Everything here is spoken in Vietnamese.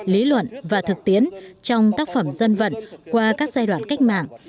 lý luận và thực tiễn trong tác phẩm dân vận qua các giai đoạn cách mạng